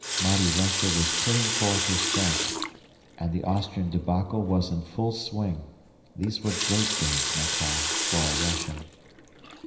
Mighty Russia was putting forth her strength, and the Austrian debacle was in full swing; these were great days, my Karl, for a Russian!